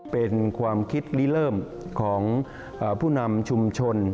เป็นความคิดลิเริ่มของผู้นำชุมชน